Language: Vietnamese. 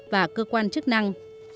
và cơ quan chức năng